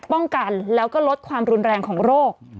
ป้องกันแล้วก็ลดความรุนแรงของโรค